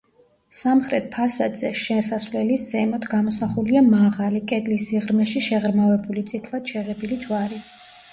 სამხრეთ ფასადზე, შესასვლელის ზემოთ, გამოსახულია მაღალი, კედლის სიღრმეში შეღრმავებული, წითლად შეღებილი ჯვარი.